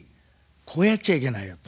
こうやっちゃいけないよと。